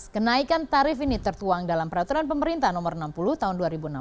kenaikan tarif ini tertuang dalam peraturan pemerintah nomor enam puluh tahun dua ribu enam belas